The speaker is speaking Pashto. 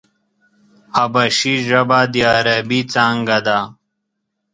حبشي ژبه د عربي څانگه ده.